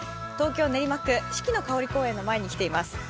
東京・練馬区四季の香り公園に来ています。